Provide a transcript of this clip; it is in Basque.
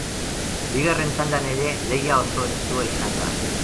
Bigarren txandan ere lehia oso estua izan da.